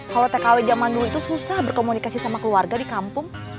kalau tkw zaman dulu itu susah berkomunikasi sama keluarga di kampung